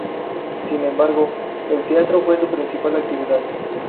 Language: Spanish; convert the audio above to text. Sin embargo, el teatro fue su principal actividad.